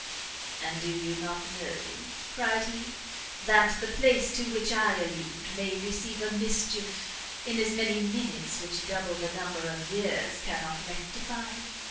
"And, do you not know," cried he, "that the place to which I allude may receive a mischief in as many minutes which double the number of years cannot rectify?